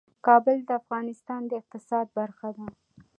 کابل د افغانستان د اقتصاد برخه ده.